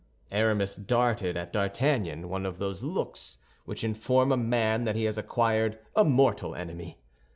Aramis darted at D'Artagnan one of those looks which inform a man that he has acquired a mortal enemy.